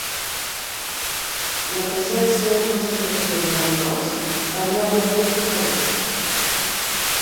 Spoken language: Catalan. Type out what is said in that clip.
La presència de concentracions d'animals també hauria atret caçadors.